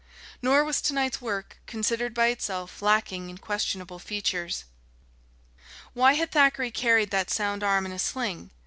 Nor was to night's work, considered by itself, lacking in questionable features. Why had Thackeray carried that sound arm in a sling?